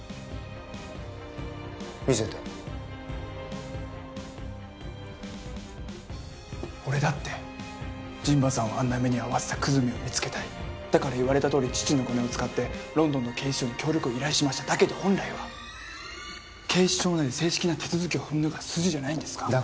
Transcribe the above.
見せて俺だって陣馬さんをあんな目に遭わせた久住を見つけたいだから言われたとおり父のコネを使ってロンドンの警視庁に協力を依頼しましただけど本来は警視庁内で正式な手続きを踏むのが筋じゃないんですか？